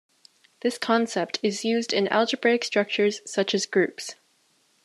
This concept is used in algebraic structures such as groups.